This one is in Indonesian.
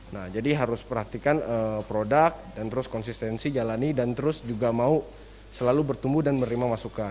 nah jadi harus perhatikan produk dan terus konsistensi jalani dan terus juga mau selalu bertumbuh dan menerima masukan